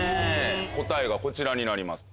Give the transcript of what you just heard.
答えがこちらになります。